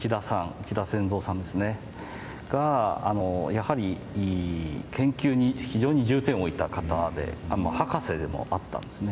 内田詮三さんですねがやはり研究に非常に重点を置いた方で博士でもあったんですね。